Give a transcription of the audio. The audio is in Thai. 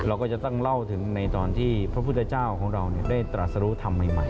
เราก็จะต้องเล่าถึงในตอนที่พระพุทธเจ้าของเราได้ตรัสรุธรรมใหม่